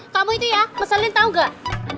kamu itu ya meselin tahu nggak